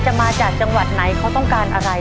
มาจากจังหวัดไหนเขาต้องการอะไร